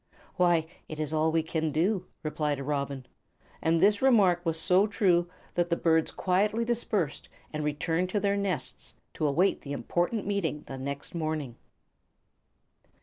"Why, it is all we can do," replied a robin; and this remark was so true that the birds quietly dispersed and returned to their nests to await the important meeting the next morning.